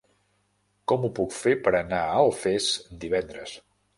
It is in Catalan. Com ho puc fer per anar a Alfés divendres?